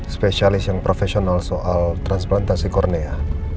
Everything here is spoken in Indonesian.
spesialis yang profesional soal transplantasi kornea